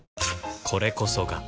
これこそが